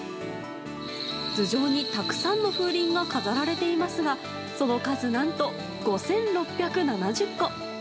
頭上に、たくさんの風鈴が飾られていますがその数、何と５６７０個。